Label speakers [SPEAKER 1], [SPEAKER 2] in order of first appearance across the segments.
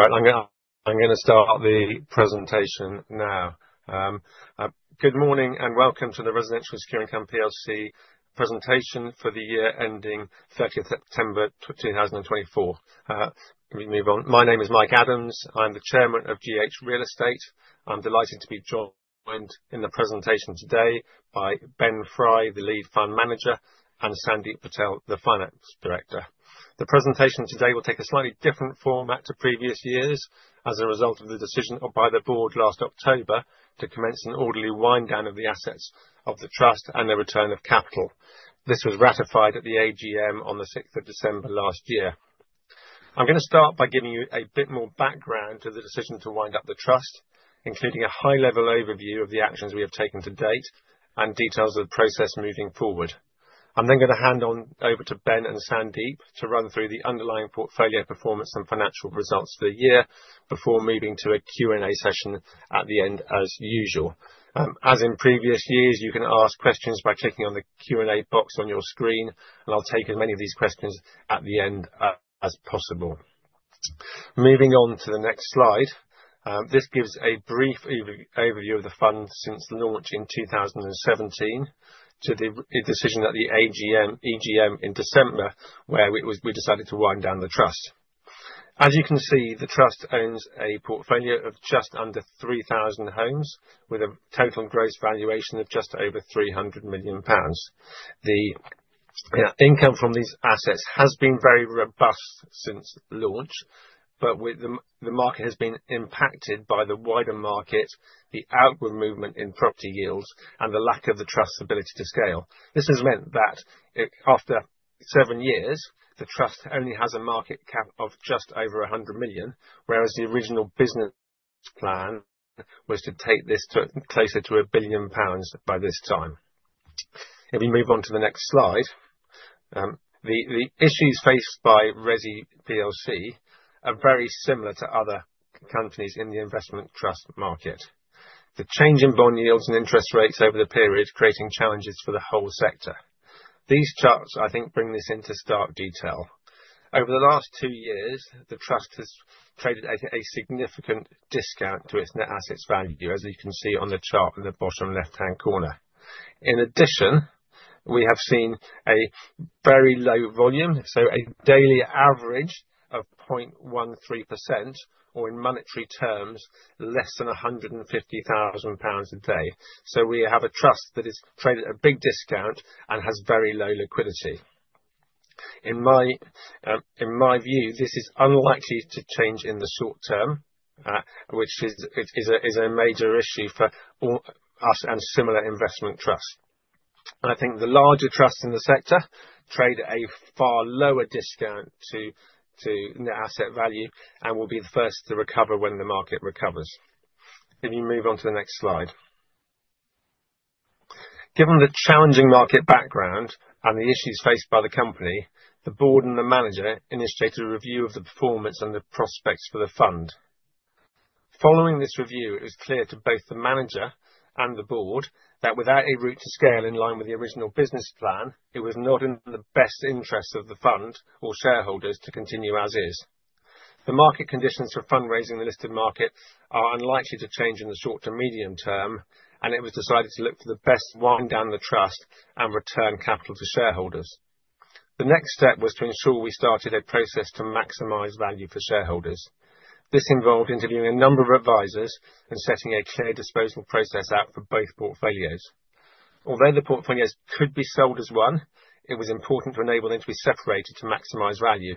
[SPEAKER 1] Right, I'm going to start the presentation now. Good morning and welcome to the Residential Secure Income plc presentation for the year ending 30 September 2024. Let me move on. My name is Mike Adams. I'm the Chairman of GH Real Estate. I'm delighted to be joined in the presentation today by Ben Fry, the Lead Fund Manager, and Sandeep Patel, the Finance Director. The presentation today will take a slightly different format to previous years as a result of the decision by the board last October to commence an orderly wind down of the assets of the trust and the return of capital. This was ratified at the AGM on the 6th of December last year. I'm going to start by giving you a bit more background to the decision to wind up the trust, including a high-level overview of the actions we have taken to date and details of the process moving forward. I'm then going to hand over to Ben and Sandeep to run through the underlying portfolio performance and financial results for the year before moving to a Q&A session at the end as usual. As in previous years, you can ask questions by clicking on the Q&A box on your screen, and I'll take as many of these questions at the end as possible. Moving on to the next slide, this gives a brief overview of the fund since launch in 2017 to the decision at the AGM in December where we decided to wind down the trust. As you can see, the trust owns a portfolio of just under 3,000 homes with a total gross valuation of just over 300 million pounds. The income from these assets has been very robust since launch, but the market has been impacted by the wider market, the outward movement in property yields, and the lack of the trust's ability to scale. This has meant that after seven years, the trust only has a market cap of just over 100 million, whereas the original business plan was to take this to closer to 1 billion pounds by this time. If we move on to the next slide, the issues faced by ReSI plc are very similar to other companies in the investment trust market. The change in bond yields and interest rates over the period creates challenges for the whole sector. These charts, I think, bring this into stark detail. Over the last two years, the trust has traded at a significant discount to its net asset value, as you can see on the chart in the bottom left-hand corner. In addition, we have seen a very low volume, so a daily average of 0.13%, or in monetary terms, less than 150,000 pounds a day. So we have a trust that is traded at a big discount and has very low liquidity. In my view, this is unlikely to change in the short term, which is a major issue for us and similar investment trusts. I think the larger trusts in the sector trade at a far lower discount to net asset value and will be the first to recover when the market recovers. If you move on to the next slide. Given the challenging market background and the issues faced by the company, the board and the manager initiated a review of the performance and the prospects for the fund. Following this review, it was clear to both the manager and the board that without a route to scale in line with the original business plan, it was not in the best interests of the fund or shareholders to continue as is. The market conditions for fundraising in the listed market are unlikely to change in the short to medium term, and it was decided to look for the best wind down the trust and return capital to shareholders. The next step was to ensure we started a process to maximize value for shareholders. This involved interviewing a number of advisors and setting a clear disposal process out for both portfolios. Although the portfolios could be sold as one, it was important to enable them to be separated to maximize value.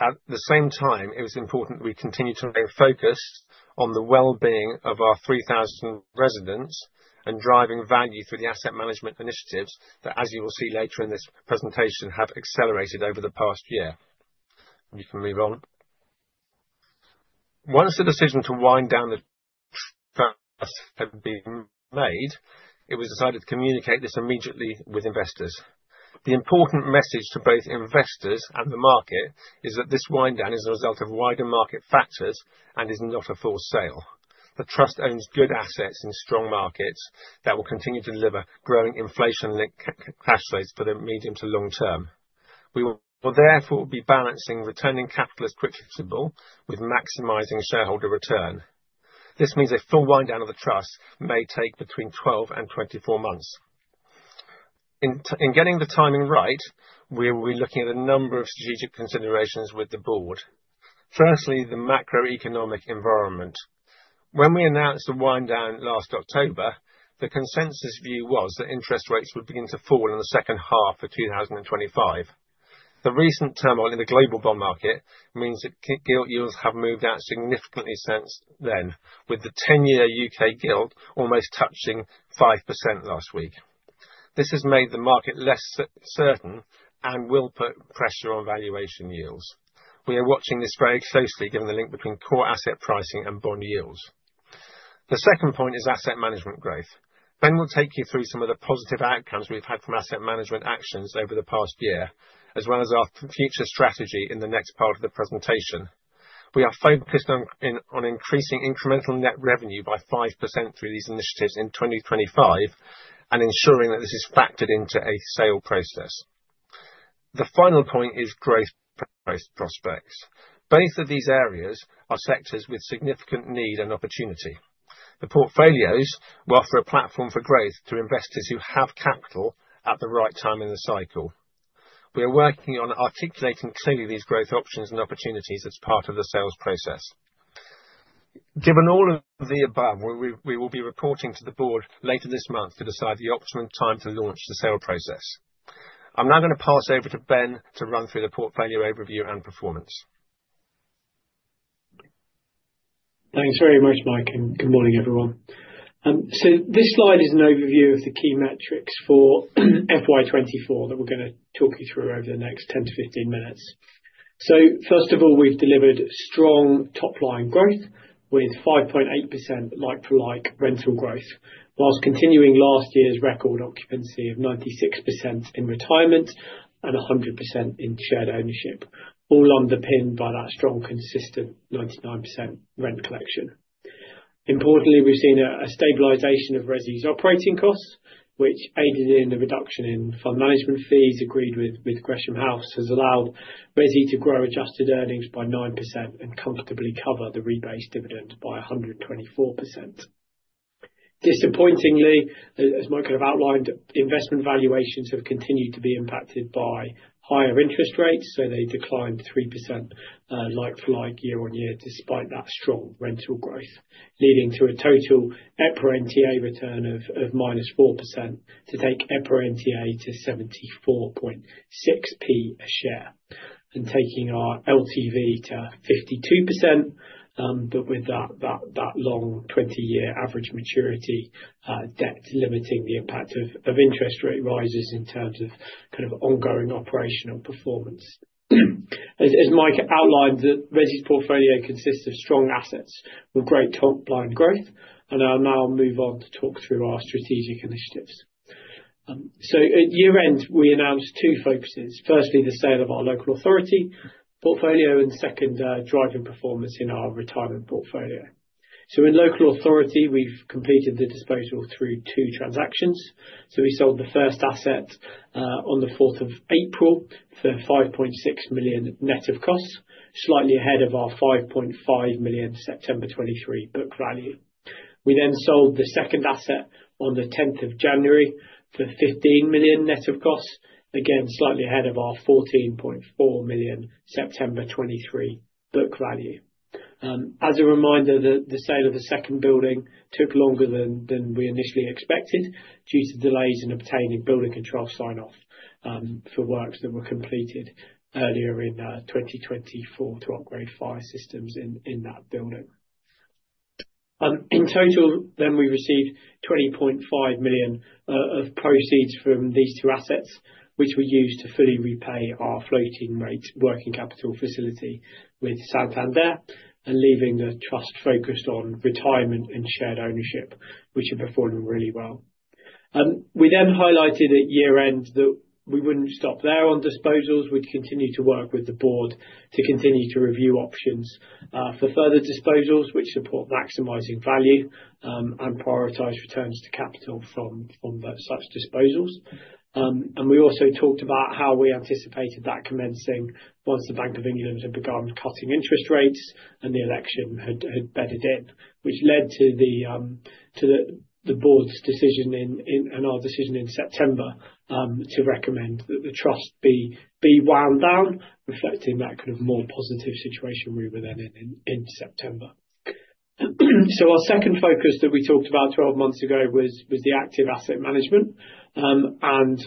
[SPEAKER 1] At the same time, it was important that we continue to maintain focus on the well-being of our 3,000 residents and driving value through the asset management initiatives that, as you will see later in this presentation, have accelerated over the past year. You can move on. Once the decision to wind down the trust had been made, it was decided to communicate this immediately with investors. The important message to both investors and the market is that this wind down is a result of wider market factors and is not a forced sale. The trust owns good assets in strong markets that will continue to deliver growing inflation-linked cash rates for the medium to long term. We will therefore be balancing returning capital as quickly as possible with maximizing shareholder return. This means a full wind down of the trust may take between 12 and 24 months. In getting the timing right, we will be looking at a number of strategic considerations with the board. Firstly, the macroeconomic environment. When we announced the wind down last October, the consensus view was that interest rates would begin to fall in the second half of 2025. The recent turmoil in the global bond market means that gilt yields have moved out significantly since then, with the 10-year U.K. gilt almost touching 5% last week. This has made the market less certain and will put pressure on valuation yields. We are watching this very closely given the link between core asset pricing and bond yields. The second point is asset management growth. Ben will take you through some of the positive outcomes we've had from asset management actions over the past year, as well as our future strategy in the next part of the presentation. We are focused on increasing incremental net revenue by 5% through these initiatives in 2025 and ensuring that this is factored into a sale process. The final point is growth prospects. Both of these areas are sectors with significant need and opportunity. The portfolios will offer a platform for growth to investors who have capital at the right time in the cycle. We are working on articulating clearly these growth options and opportunities as part of the sales process. Given all of the above, we will be reporting to the board later this month to decide the optimum time to launch the sale process. I'm now going to pass over to Ben to run through the portfolio overview and performance.
[SPEAKER 2] Thanks very much, Mike, and good morning, everyone. So this slide is an overview of the key metrics for FY24 that we're going to talk you through over the next 10-15 minutes. So first of all, we've delivered strong top-line growth with 5.8% like-for-like rental growth, whilst continuing last year's record occupancy of 96% in retirement and 100% in shared ownership, all underpinned by that strong, consistent 99% rent collection. Importantly, we've seen a stabilization ReSI's operating costs, which aided in the reduction in fund management fees agreed with Gresham House, has allowed ReSI to grow adjusted earnings by 9% and comfortably cover the rebased dividend by 124%. Disappointingly, as Mike could have outlined, investment valuations have continued to be impacted by higher interest rates, so they declined 3% like-for-like year on year despite that strong rental growth, leading to a total EPRA NTA return of minus 4% to take EPRA NTA to 74.6p a share and taking our LTV to 52%. But with that long 20-year average maturity debt limiting the impact of interest rate rises in terms of kind of ongoing operational performance. As Mike outlined, ReSI's portfolio consists of strong assets with great top-line growth, and I'll now move on to talk through our strategic initiatives. So at year-end, we announced two focuses. Firstly, the sale of our local authority portfolio and second, driving performance in our retirement portfolio. So in local authority, we've completed the disposal through two transactions. So we sold the first asset on the 4th of April for 5.6 million net of costs, slightly ahead of our 5.5 million September 2023 book value. We then sold the second asset on the 10th of January for 15 million net of costs, again slightly ahead of our 14.4 million September 2023 book value. As a reminder, the sale of the second building took longer than we initially expected due to delays in obtaining building control sign-off for works that were completed earlier in 2024 to upgrade fire systems in that building. In total, then we received 20.5 million of proceeds from these two assets, which we used to fully repay our floating rate working capital facility with Santander, leaving the trust focused on retirement and shared ownership, which are performing really well. We then highlighted at year-end that we wouldn't stop there on disposals. We'd continue to work with the board to continue to review options for further disposals, which support maximizing value and prioritize returns to capital from such disposals, and we also talked about how we anticipated that commencing once the Bank of England had begun cutting interest rates and the election had bedded in, which led to the board's decision and our decision in September to recommend that the trust be wound down, reflecting that kind of more positive situation we were then in in September. So our second focus that we talked about 12 months ago was the active asset management and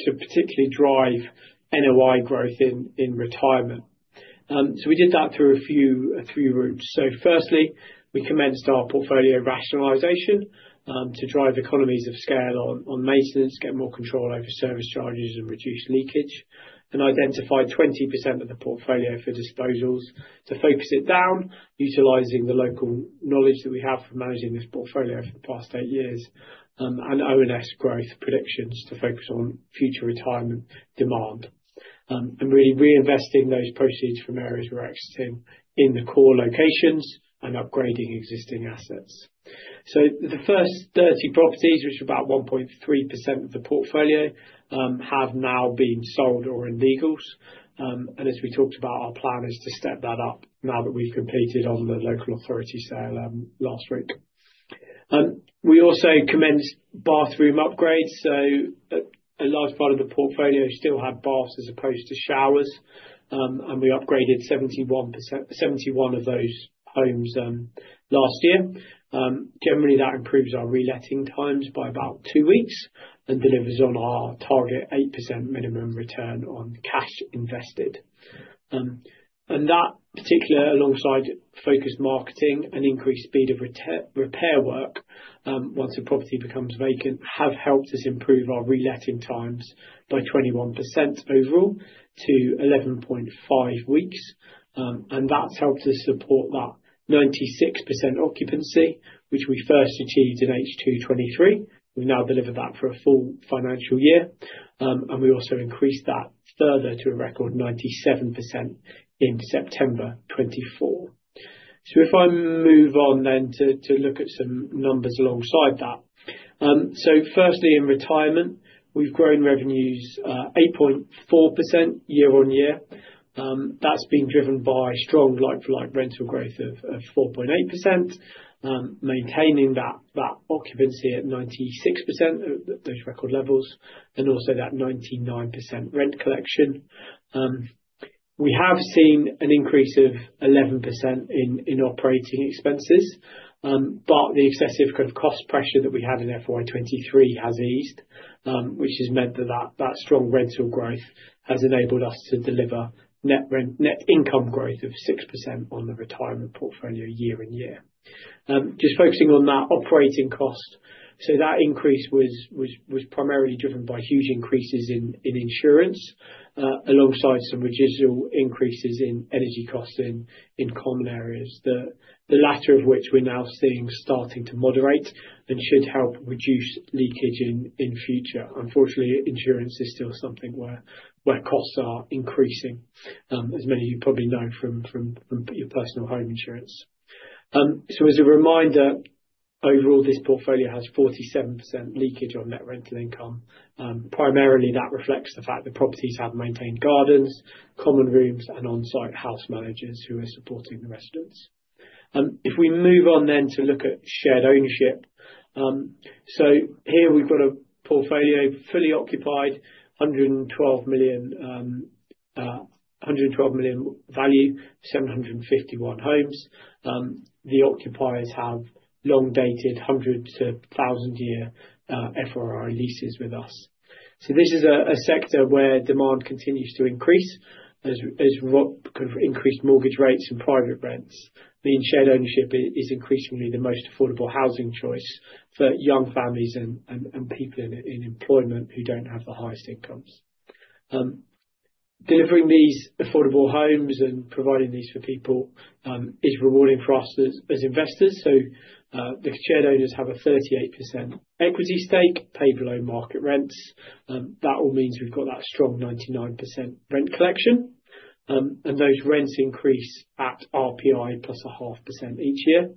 [SPEAKER 2] to particularly drive NOI growth in retirement, so we did that through a few routes. So firstly, we commenced our portfolio rationalization to drive economies of scale on maintenance, get more control over service charges and reduce leakage, and identified 20% of the portfolio for disposals to focus it down, utilizing the local knowledge that we have from managing this portfolio for the past eight years and ONS growth predictions to focus on future retirement demand and really reinvesting those proceeds from areas we're exiting in the core locations and upgrading existing assets. So the first 30 properties, which are about 1.3% of the portfolio, have now been sold or in legals. And as we talked about, our plan is to step that up now that we've completed on the local authority sale last week. We also commenced bathroom upgrades. So a large part of the portfolio still had baths as opposed to showers, and we upgraded 71% of those homes last year. Generally, that improves our reletting times by about two weeks and delivers on our target 8% minimum return on cash invested. And that particular, alongside focused marketing and increased speed of repair work once a property becomes vacant, have helped us improve our reletting times by 21% overall to 11.5 weeks. And that's helped us support that 96% occupancy, which we first achieved in H2 23. We've now delivered that for a full financial year, and we also increased that further to a record 97% in September 2024. So if I move on then to look at some numbers alongside that. So firstly, in retirement, we've grown revenues 8.4% year on year. That's been driven by strong like-for-like rental growth of 4.8%, maintaining that occupancy at 96%, those record levels, and also that 99% rent collection. We have seen an increase of 11% in operating expenses, but the excessive kind of cost pressure that we had in FY23 has eased, which has meant that that strong rental growth has enabled us to deliver net income growth of 6% on the retirement portfolio year on year. Just focusing on that operating cost, so that increase was primarily driven by huge increases in insurance alongside some residual increases in energy costs in common areas, the latter of which we're now seeing starting to moderate and should help reduce leakage in future. Unfortunately, insurance is still something where costs are increasing, as many of you probably know from your personal home insurance. So as a reminder, overall, this portfolio has 47% leakage on net rental income. Primarily, that reflects the fact that properties have maintained gardens, common rooms, and on-site house managers who are supporting the residents. If we move on then to look at shared ownership, so here we've got a portfolio fully occupied, 112 million value, 751 homes. The occupiers have long-dated 100- to 1,000-year FRI leases with us, so this is a sector where demand continues to increase as kind of increased mortgage rates and private rents. I mean, shared ownership is increasingly the most affordable housing choice for young families and people in employment who don't have the highest incomes. Delivering these affordable homes and providing these for people is rewarding for us as investors, so the shared owners have a 38% equity stake, pay below market rents. That all means we've got that strong 99% rent collection, and those rents increase at RPI plus 0.5% each year,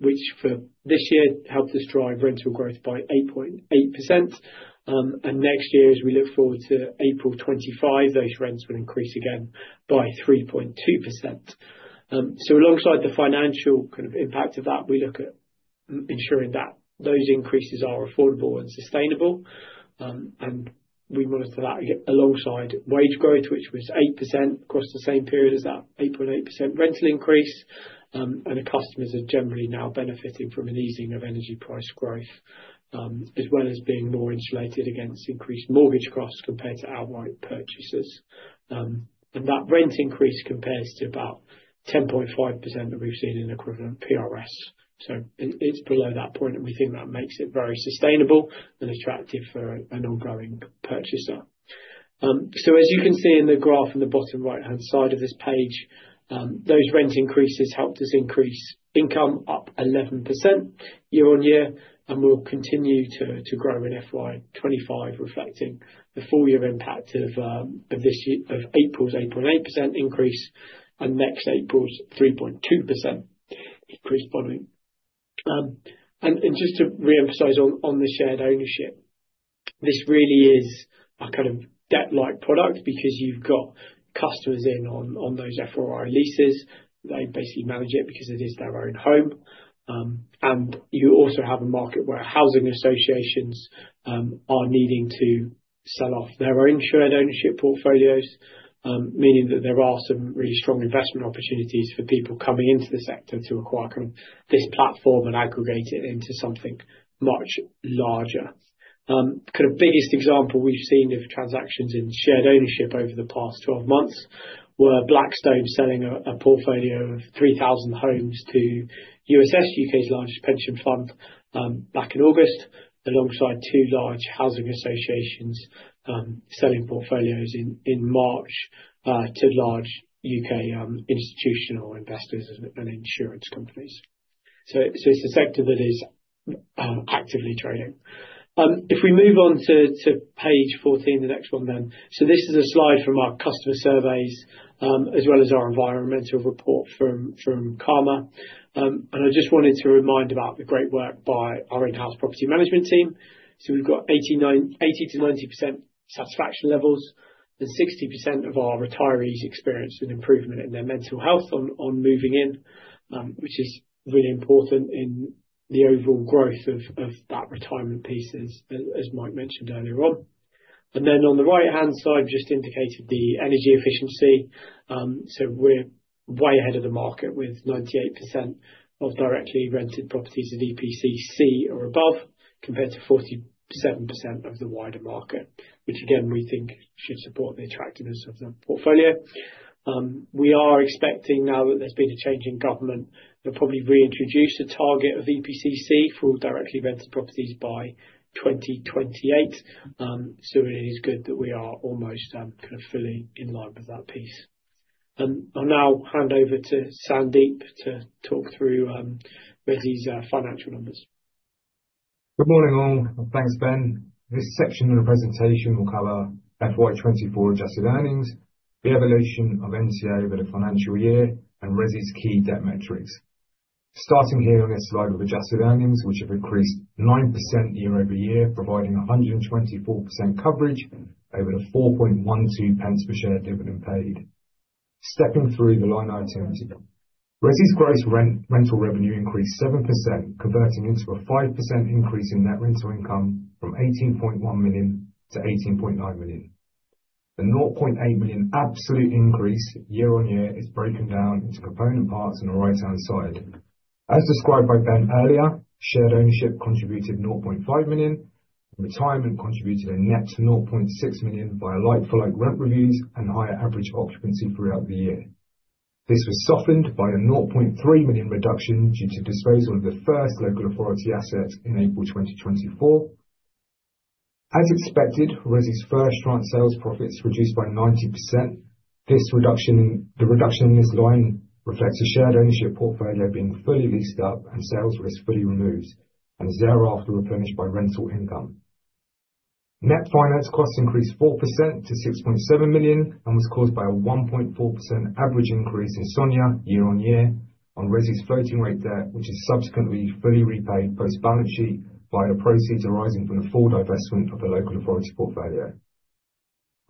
[SPEAKER 2] which for this year helped us drive rental growth by 8.8%. And next year, as we look forward to April 2025, those rents will increase again by 3.2%. So alongside the financial kind of impact of that, we look at ensuring that those increases are affordable and sustainable. And we monitor that alongside wage growth, which was 8% across the same period as that 8.8% rental increase. And customers are generally now benefiting from an easing of energy price growth, as well as being more insulated against increased mortgage costs compared to outright purchases. And that rent increase compares to about 10.5% that we've seen in equivalent PRS. So it's below that point, and we think that makes it very sustainable and attractive for an ongoing purchaser. So as you can see in the graph on the bottom right-hand side of this page, those rent increases helped us increase income up 11% year on year, and we'll continue to grow in FY25, reflecting the full year impact of April's 8.8% increase and next April's 3.2% increase forthcoming. And just to reemphasize on the shared ownership, this really is a kind of debt-like product because you've got customers in on those FRI leases. They basically manage it because it is their own home. And you also have a market where housing associations are needing to sell off their own shared ownership portfolios, meaning that there are some really strong investment opportunities for people coming into the sector to acquire kind of this platform and aggregate it into something much larger. kind of biggest example we've seen of transactions in shared ownership over the past 12 months were Blackstone selling a portfolio of 3,000 homes to USS, U.K.'s largest pension fund, back in August, alongside two large housing associations selling portfolios in March to large U.K. institutional investors and insurance companies. It's a sector that is actively trading. If we move on to page 14, the next one then. This is a slide from our customer surveys as well as our environmental report from Kamma. I just wanted to remind about the great work by our in-house property management team. We've got 80%-90% satisfaction levels and 60% of our retirees experienced an improvement in their mental health on moving in, which is really important in the overall growth of that retirement piece, as Mike mentioned earlier on. Then on the right-hand side, just indicated the energy efficiency. We're way ahead of the market with 98% of directly rented properties at EPC or above compared to 47% of the wider market, which again, we think should support the attractiveness of the portfolio. We are expecting now that there's been a change in government that will probably reintroduce a target of EPC for directly rented properties by 2028. It is good that we are almost kind of fully in line with that piece. I'll now hand over to Sandeep to talk ReSI's financial numbers.
[SPEAKER 3] Good morning all. Thanks, Ben. This section of the presentation will cover FY24 adjusted earnings, the evolution of NTA over the financial year, ReSI's key debt metrics. Starting here on this slide with adjusted earnings, which have increased 9% year over year, providing 124% coverage over the 4.12 pence per share dividend paid. Stepping through the line ReSI's gross rental revenue increased 7%, converting into a 5% increase in net rental income from 18.1 million to 18.9 million. The 0.8 million absolute increase year on year is broken down into component parts on the right-hand side. As described by Ben earlier, shared ownership contributed 0.5 million, and retirement contributed a net 0.6 million via like-for-like rent reviews and higher average occupancy throughout the year. This was softened by a 0.3 million reduction due to disposal of the first local authority asset in April 2024. As ReSI's first tranche sales profits reduced by 90%. This reduction in this line reflects a shared ownership portfolio being fully leased up and sales risk fully removed and is thereafter replenished by rental income. Net finance costs increased 4% to 6.7 million and was caused by a 1.4% average increase in SONIA year on year ReSI's floating rate debt, which is subsequently fully repaid post-balance sheet via the proceeds arising from the full divestment of the local authority portfolio.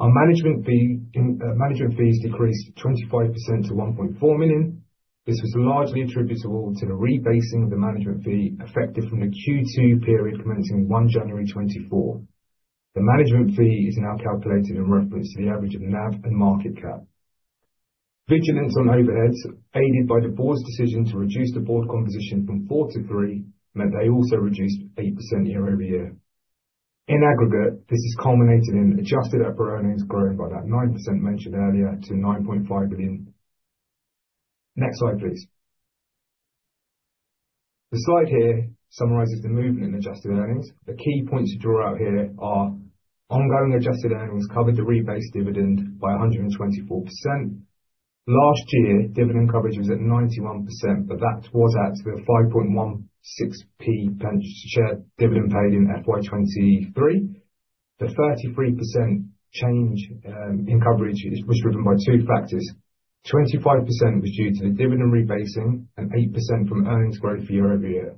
[SPEAKER 3] Our management fees decreased 25% to 1.4 million. This was largely attributable to the rebasing of the management fee effective from the Q2 period commencing 1 January 2024. The management fee is now calculated in reference to the average of NAV and market cap. Vigilance on overheads, aided by the board's decision to reduce the board composition from four to three, meant they also reduced 8% year over year. In aggregate, this has culminated in adjusted EPRA earnings growing by that 9% mentioned earlier to 9.5 million. Next slide, please. The slide here summarizes the movement in adjusted earnings. The key points to draw out here are ongoing adjusted earnings covered the rebased dividend by 124%. Last year, dividend coverage was at 91%, but that was at the 5.16 pence share dividend paid in FY23. The 33% change in coverage was driven by two factors. 25% was due to the dividend rebasing and 8% from earnings growth year over year.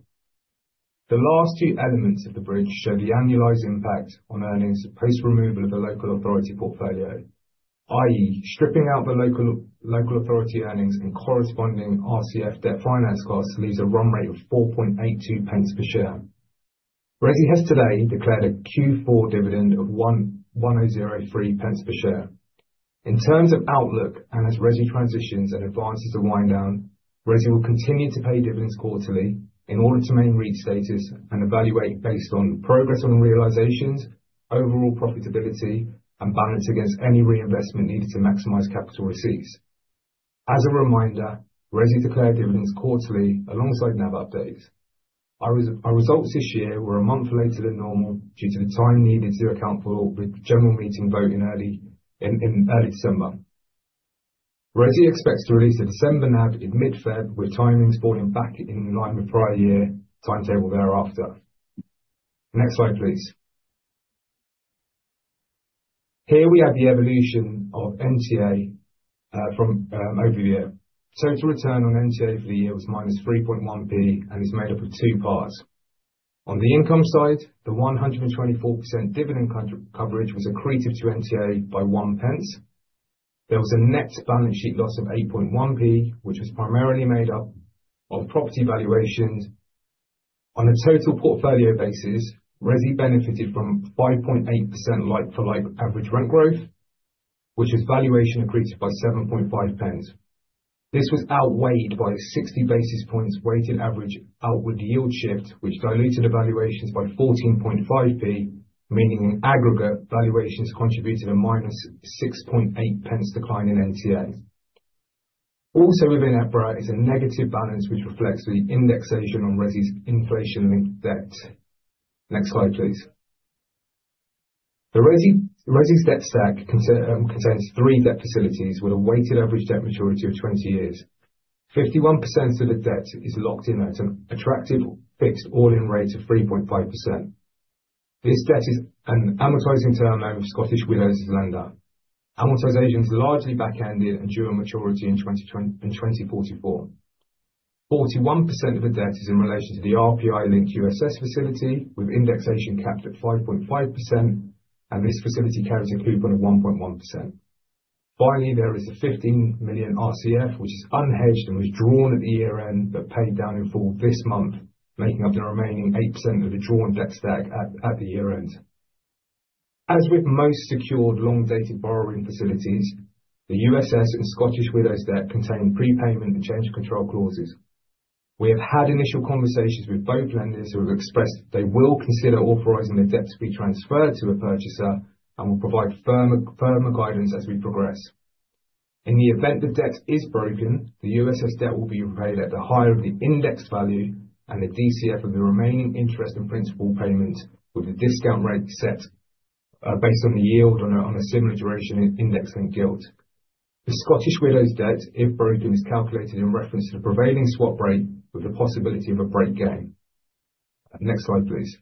[SPEAKER 3] The last two elements of the bridge show the annualized impact on earnings post-removal of the local authority portfolio, i.e., stripping out the local authority earnings and corresponding RCF debt finance costs leaves a run rate of 4.82 pence per share. ReSI has today declared a Q4 dividend of 1.03 pence per share. In terms of outlook, and as ReSI transitions and advances the wind down, ReSI will continue to pay dividends quarterly in order to maintain REIT status and evaluate based on progress on realizations, overall profitability, and balance against any reinvestment needed to maximize capital receipts. As a reminder, ReSI declared dividends quarterly alongside NAV updates. Our results this year were a month later than normal due to the time needed to account for the general meeting vote in early December. ReSI expects to release a December NAV in mid-February, with timings falling back in line with prior year timetable thereafter. Next slide, please. Here we have the evolution of NAV from over the year. Total return on NAV for the year was minus 3.1p, and it's made up of two parts. On the income side, the 124% dividend coverage was accretive to NAV by one pence. There was a net balance sheet loss of 0.081, which was primarily made up of property valuations. On a total portfolio basis, ReSI benefited from 5.8% like-for-like average rent growth, which was valuation accretive by 0.075. This was outweighed by a 60 basis points weighted average outward yield shift, which diluted valuations by 0.145, meaning in aggregate, valuations contributed a minus 0.068 decline in NTA. Also within EPRA is a negative balance, which reflects the indexation ReSI's inflation-linked debt. Next slide, please. ReSI's debt stack contains three debt facilities with a weighted average debt maturity of 20 years. 51% of the debt is locked in at an attractive fixed all-in rate of 3.5%. This debt is an amortizing term loan as Scottish Widows' lender. Amortization is largely back-ended and due on maturity in 2044. 41% of the debt is in relation to the RPI-linked USS facility with indexation capped at 5.5%, and this facility carries a coupon of 1.1%. Finally, there is the 15 million RCF, which is unhedged and was drawn at the year-end but paid down in full this month, making up the remaining 8% of the drawn debt stack at the year-end. As with most secured long-dated borrowing facilities, the USS and Scottish Widows' debt contain prepayment and change of control clauses. We have had initial conversations with both lenders who have expressed they will consider authorizing the debt to be transferred to a purchaser and will provide firmer guidance as we progress. In the event the debt is broken, the USS debt will be repaid at the higher of the indexed value and the DCF of the remaining interest and principal payment with a discount rate set based on the yield on a similar duration index-linked gilt. The Scottish Widows' debt, if broken, is calculated in reference to the prevailing swap rate with the possibility of a break gain. Next slide, please.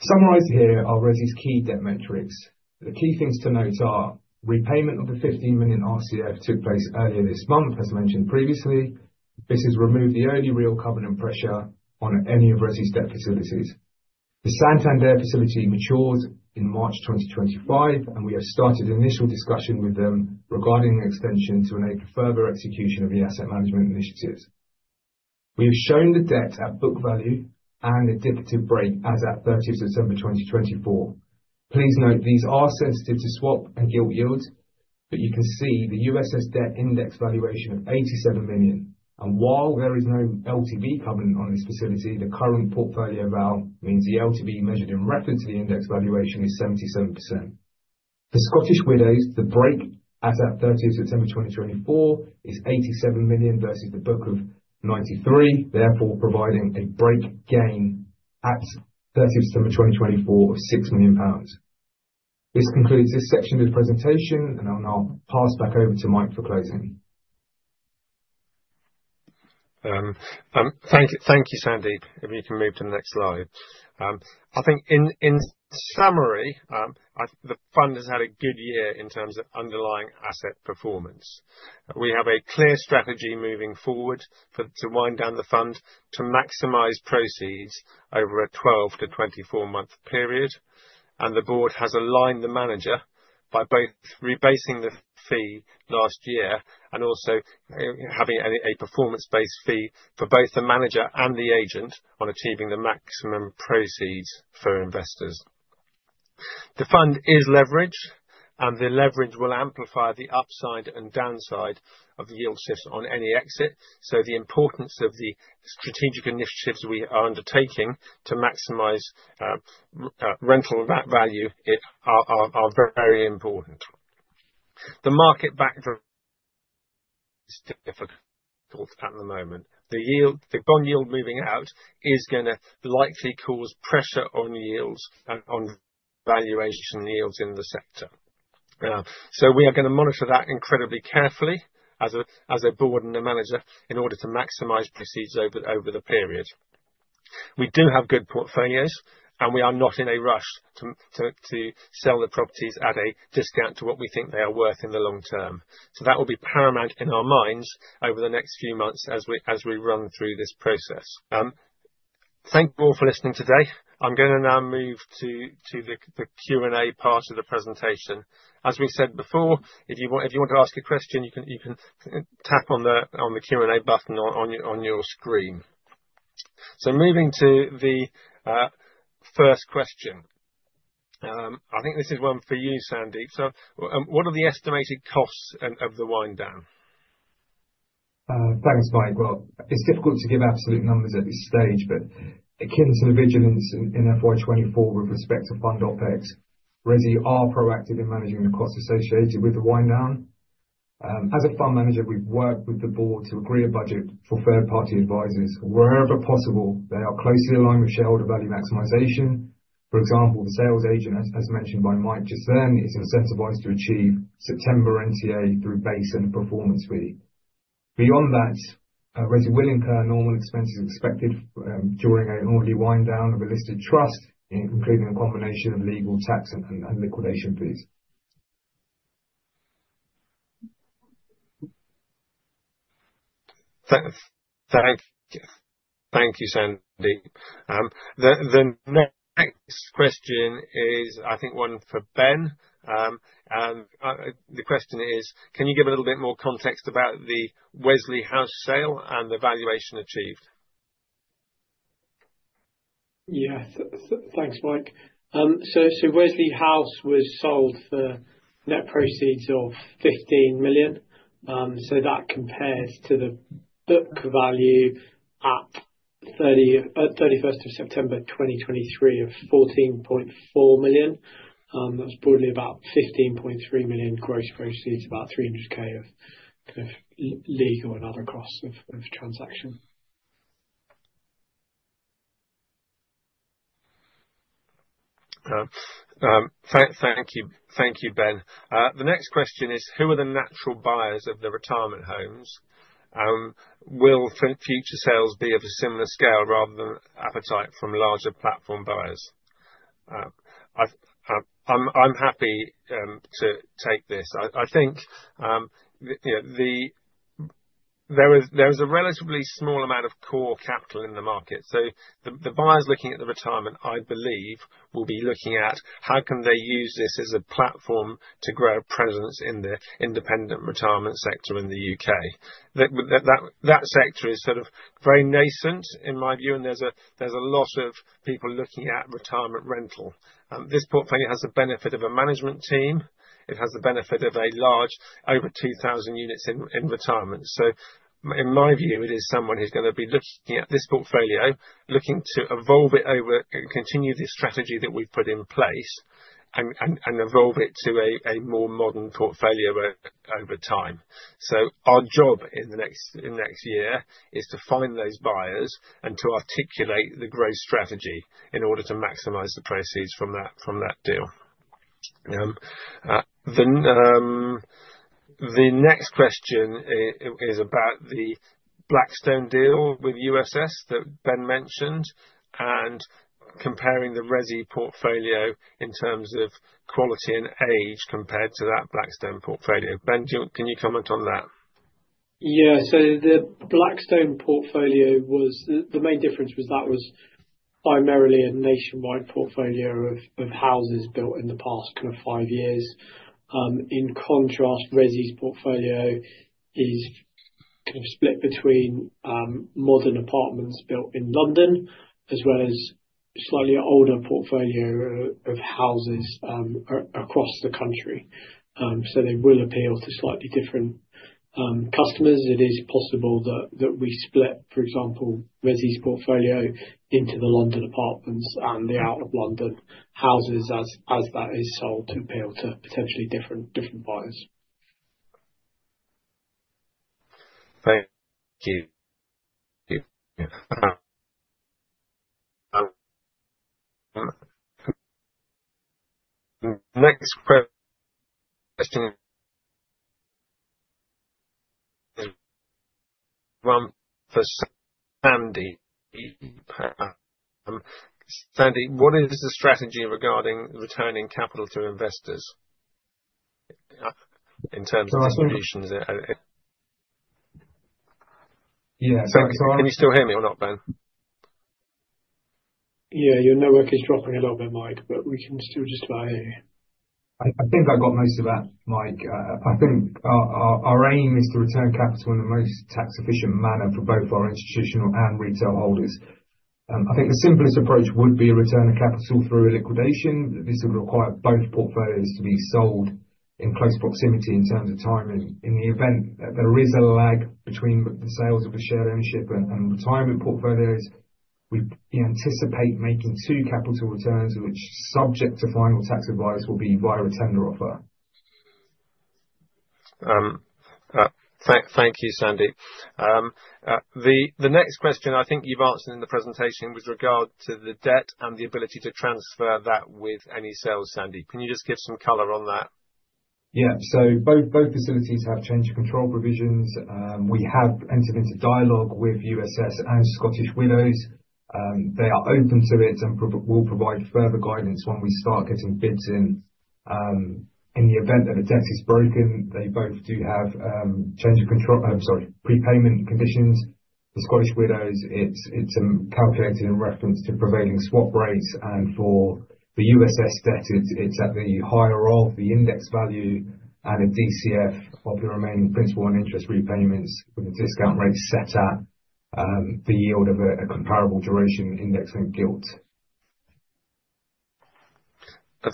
[SPEAKER 3] Summarized here ReSI's key debt metrics. The key things to note are repayment of the 15 million RCF took place earlier this month, as mentioned previously. This has removed the early repayment covenant pressure on any ReSI's debt facilities. The Santander facility matured in March 2025, and we have started initial discussion with them regarding an extension to enable further execution of the asset management initiatives. We have shown the debt at book value and the debt to break as at 30 September 2024. Please note these are sensitive to swap and gilt yields, but you can see the USS debt index valuation of 87 million, and while there is no LTV covenant on this facility, the current portfolio value means the LTV measured in reference to the index valuation is 77%. For Scottish Widows, the break as at 30 September 2024 is 87 million versus the book of 93, therefore providing a break gain at 30 September 2024 of GBP 6 million. This concludes this section of the presentation, and I'll now pass back over to Mike for closing.
[SPEAKER 1] Thank you, Sandeep. If you can move to the next slide. I think in summary, the fund has had a good year in terms of underlying asset performance. We have a clear strategy moving forward to wind down the fund to maximize proceeds over a 12- to 24-month period. And the board has aligned the manager by both rebasing the fee last year and also having a performance-based fee for both the manager and the agent on achieving the maximum proceeds for investors. The fund is leveraged, and the leverage will amplify the upside and downside of yield shifts on any exit. So the importance of the strategic initiatives we are undertaking to maximize rental value are very important. The market backdrop is difficult at the moment. The bond yield moving out is going to likely cause pressure on yields and on valuation yields in the sector. So we are going to monitor that incredibly carefully as a board and a manager in order to maximize proceeds over the period. We do have good portfolios, and we are not in a rush to sell the properties at a discount to what we think they are worth in the long term. So that will be paramount in our minds over the next few months as we run through this process. Thank you all for listening today. I'm going to now move to the Q&A part of the presentation. As we said before, if you want to ask a question, you can tap on the Q&A button on your screen. So moving to the first question. I think this is one for you, Sandeep. So what are the estimated costs of the wind down?
[SPEAKER 3] Thanks, Mike. Well, it's difficult to give absolute numbers at this stage, but akin to the vigilance in FY24 with respect to fund OpEx, ReSI are proactive in managing the costs associated with the wind down. As a fund manager, we've worked with the board to agree a budget for third-party advisors. Wherever possible, they are closely aligned with shareholder value maximization. For example, the sales agent, as mentioned by Mike just then, is incentivized to achieve September NTA through base and performance fee. Beyond that, ReSI will incur normal expenses expected during an orderly wind down of a listed trust, including a combination of legal, tax, and liquidation fees.
[SPEAKER 1] Thank you, Sandeep. The next question is, I think, one for Ben. The question is, can you give a little bit more context about the Wesley House sale and the valuation achieved?
[SPEAKER 2] Yes, thanks, Mike. So Wesley House was sold for net proceeds of 15 million. So that compares to the book value at 31 September 2023 of 14.4 million. That's probably about 15.3 million gross proceeds, about 300,000 of legal and other costs of transaction.
[SPEAKER 1] Thank you, Ben. The next question is, who are the natural buyers of the retirement homes? Will future sales be of a similar scale rather than appetite from larger platform buyers? I'm happy to take this. I think there is a relatively small amount of core capital in the market. So the buyers looking at the retirement, I believe, will be looking at how can they use this as a platform to grow a presence in the independent retirement sector in the U.K. That sector is sort of very nascent, in my view, and there's a lot of people looking at retirement rental. This portfolio has the benefit of a management team. It has the benefit of a large over 2,000 units in retirement. In my view, it is someone who's going to be looking at this portfolio, looking to evolve it over, continue the strategy that we've put in place, and evolve it to a more modern portfolio over time. Our job in the next year is to find those buyers and to articulate the growth strategy in order to maximize the proceeds from that deal. The next question is about the Blackstone deal with USS that Ben mentioned and comparing the ReSI portfolio in terms of quality and age compared to that Blackstone portfolio. Ben, can you comment on that?
[SPEAKER 2] Yeah, so the Blackstone portfolio was the main difference was that was primarily a nationwide portfolio of houses built in the past kind of five years. In ReSI's portfolio is kind of split between modern apartments built in London as well as slightly older portfolio of houses across the country, so they will appeal to slightly different customers. It is possible that we split, for ReSI's portfolio into the London apartments and the out-of-London houses as that is sold to appeal to potentially different buyers.
[SPEAKER 1] Thank you. Next question. Sandeep. Sandeep, what is the strategy regarding returning capital to investors in terms of distributions?
[SPEAKER 3] Yeah, sorry.
[SPEAKER 1] Can you still hear me or not, Ben?
[SPEAKER 3] Yeah, your network is dropping a little bit, Mike, but we can still just about hear you. I think I got most of that, Mike. I think our aim is to return capital in the most tax-efficient manner for both our institutional and retail holders. I think the simplest approach would be a return of capital through a liquidation. This would require both portfolios to be sold in close proximity in terms of timing. In the event that there is a lag between the sales of the shared ownership and retirement portfolios, we anticipate making two capital returns, which, subject to final tax advice, will be via a tender offer.
[SPEAKER 1] Thank you, Sandeep. The next question I think you've answered in the presentation with regard to the debt and the ability to transfer that with any sales, Sandeep. Can you just give some color on that?
[SPEAKER 3] Yeah, so both facilities have change of control provisions. We have entered into dialogue with USS and Scottish Widows. They are open to it and will provide further guidance when we start getting bids in. In the event that the debt is broken, they both do have change of control, sorry, prepayment conditions. For Scottish Widows, it's calculated in reference to prevailing swap rates. For the USS debt, it's at the higher of the index value and a DCF of the remaining principal and interest repayments with a discount rate set at the yield of a comparable duration index-linked gilt.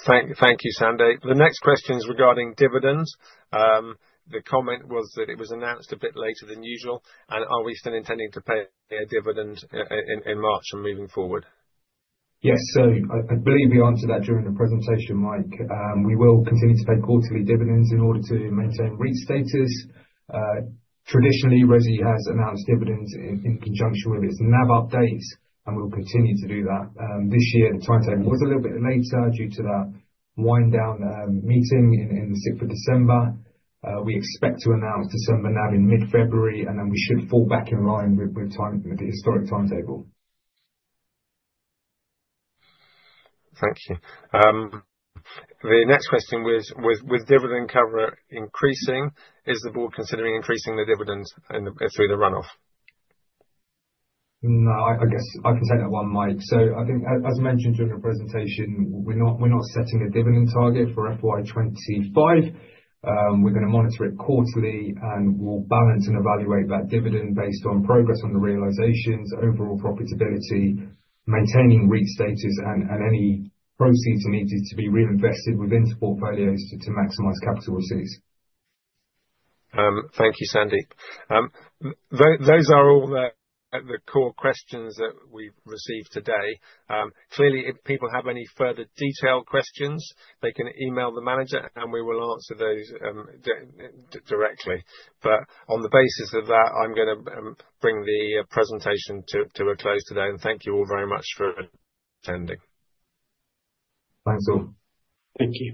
[SPEAKER 1] Thank you, Sandeep. The next question is regarding dividends. The comment was that it was announced a bit later than usual. Are we still intending to pay a dividend in March and moving forward?
[SPEAKER 3] Yes, so I believe we answered that during the presentation, Mike. We will continue to pay quarterly dividends in order to maintain REIT status. Traditionally, ReSI has announced dividends in conjunction with its NAV updates, and we'll continue to do that. This year, the timetable was a little bit later due to that year-end meeting in the 6th of December. We expect to announce December NAV in mid-February, and then we should fall back in line with the historic timetable.
[SPEAKER 1] Thank you. The next question was, with dividend cover increasing, is the board considering increasing the dividend through the run-off?
[SPEAKER 3] No, I guess I can take that one, Mike, so I think, as mentioned during the presentation, we're not setting a dividend target for FY25. We're going to monitor it quarterly, and we'll balance and evaluate that dividend based on progress on the realizations, overall profitability, maintaining REIT status, and any proceeds needed to be reinvested within portfolios to maximize capital receipts.
[SPEAKER 1] Thank you, Sandeep. Those are all the core questions that we've received today. Clearly, if people have any further detailed questions, they can email the manager, and we will answer those directly, but on the basis of that, I'm going to bring the presentation to a close today. Thank you all very much for attending.
[SPEAKER 3] Thanks all.
[SPEAKER 2] Thank you.